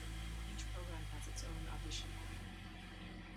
Each program has its own audition panel.